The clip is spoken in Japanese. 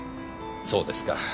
そうですか。